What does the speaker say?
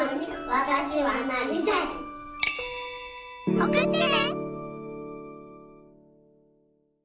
おくってね！